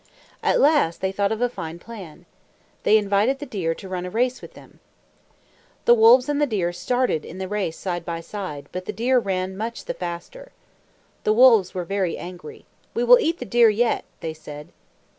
At last they thought of a fine plan. They invited the deer to run a race with them. The wolves and the deer started in the race side by side, but the deer ran much the faster. The wolves were very angry. "We will eat the deer yet," they said.